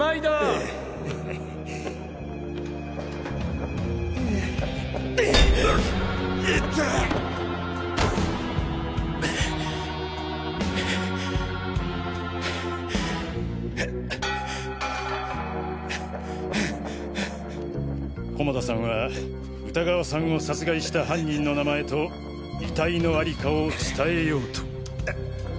うヘッヘッいってぇハァハァハァハァ菰田さんは歌川さんを殺害した犯人の名前と遺体のありかを伝えようと。